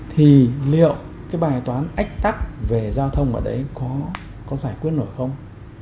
thì liệu cái bài toán ách tắc về giao thông ở đấy có giải quyết nổi không